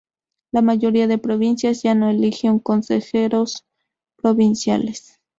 La mayoría de provincias ya no elige un consejeros provinciales.